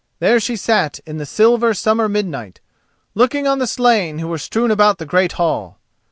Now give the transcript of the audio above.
There she sat in the silver summer midnight, looking on the slain who were strewn about the great hall.